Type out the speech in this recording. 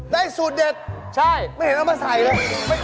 ได้สูตรเด็ดไม่เห็นเอามาใส่เลยใช่